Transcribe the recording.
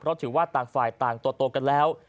เพราะถือว่าต่างฝ่ายต่างโตกันแล้ว